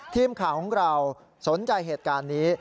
ทีมข่าวของเราสนใจเหตุการณ์นี้